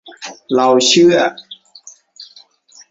เราเชื่อ